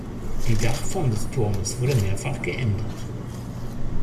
Die Dachform des Turmes wurde mehrfach geändert.